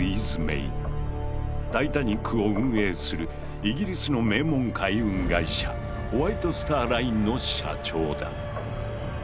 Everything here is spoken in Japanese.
タイタニックを運営するイギリスの名門海運会社ホワイト・スター・ラインの社長だ。